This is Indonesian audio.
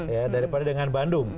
ya daripada dengan bandung